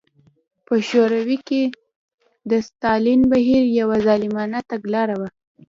په شوروي کې د ستالین بهیر یوه ظالمانه تګلاره وه.